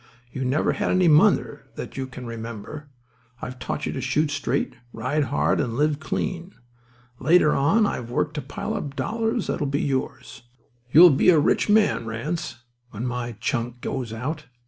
You never had any mother that you can remember. I've taught you to shoot straight, ride hard, and live clean. Later on I've worked to pile up dollars that'll be yours. You'll be a rich man, Ranse, when my chunk goes out.